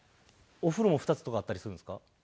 お風呂も２つとかあったりするんですか？